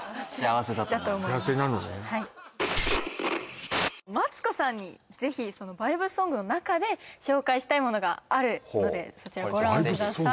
はいマツコさんに是非そのバイブスソングの中で紹介したいものがあるのでほおそちらご覧ください